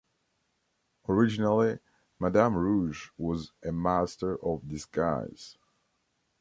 Originally, Madame Rouge was a master of disguise.